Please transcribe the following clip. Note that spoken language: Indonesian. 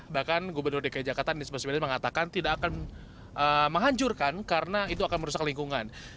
bahkan gubernur dki jakarta anies baswedan mengatakan tidak akan menghancurkan karena itu akan merusak lingkungan